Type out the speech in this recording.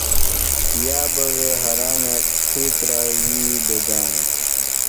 یابہ وے ہرانہ ، ڇِھیترہ وِی بےۡ دانہ